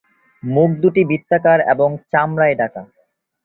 মুখ দুটি বৃত্তাকার এবং চামড়ায় ঢকা।